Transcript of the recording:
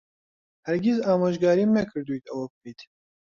هەرگیز ئامۆژگاریم نەکردوویت ئەوە بکەیت.